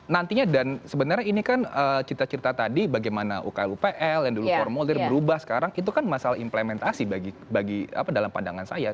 nantinya dan sebenarnya ini kan cerita cerita tadi bagaimana ukl upl yang dulu formulir berubah sekarang itu kan masalah implementasi bagi dalam pandangan saya